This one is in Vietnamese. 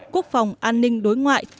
quốc phòng an ninh đối ngoại